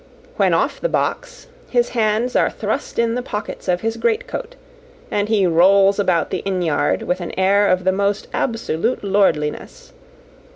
When off the box, his hands are thrust in the pockets of his greatcoat, and he rolls about the inn yard with an air of the most absolute lordliness.